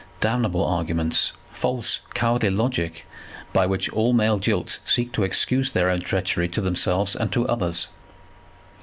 Damnable arguments! False, cowardly logic, by which all male jilts seek to excuse their own treachery to themselves and to others!